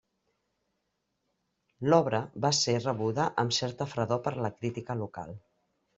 L'obra va ser rebuda amb certa fredor per la crítica local.